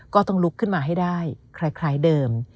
ก็ต้องลุกขึ้นมาให้ได้คล้ายเดิม